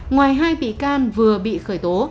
ngoài hai bị can vừa bị khởi tố